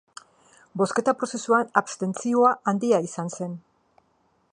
Bozketa prozesuan, abstentzioa handia izan zen.